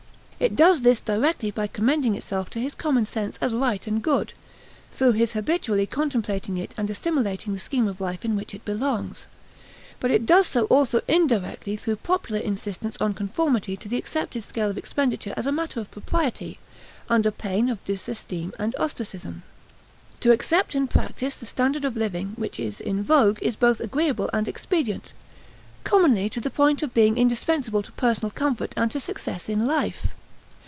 It does this directly by commending itself to his common sense as right and good, through his habitually contemplating it and assimilating the scheme of life in which it belongs; but it does so also indirectly through popular insistence on conformity to the accepted scale of expenditure as a matter of propriety, under pain of disesteem and ostracism. To accept and practice the standard of living which is in vogue is both agreeable and expedient, commonly to the point of being indispensable to personal comfort and to success in life.